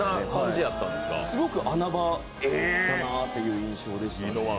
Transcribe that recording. すごく穴場だなという印象でしたね。